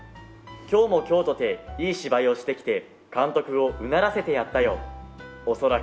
「今日も今日とていい芝居をしてきて監督をうならせてやったよ恐らく」